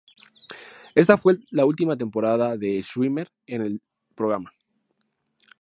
Esta fue la ultima temporada de Schwimmer en el programa.